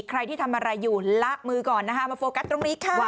ใครที่ทำอะไรอยู่ละมือก่อนนะคะมาโฟกัสตรงนี้ค่ะ